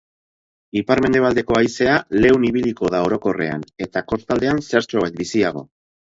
Ipar-mendebaldeko haizea lehun ibiliko da orokorrean eta kostaldean zertxobait biziago.